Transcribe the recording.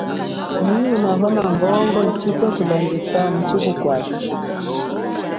Nyi unahona mbongo chipwe kulandjisa muchi kukwasa.